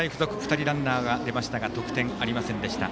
２人、ランナー出ましたが得点、できませんでした。